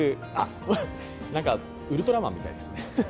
ウルトラマンみたいですね。